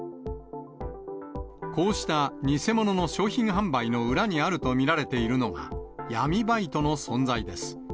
こうした偽物の商品販売の裏にあると見られているのが、闇バイトの存在です。